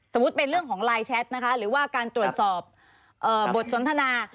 เป็นเรื่องของไลน์แชทนะคะหรือว่าการตรวจสอบบทสนทนา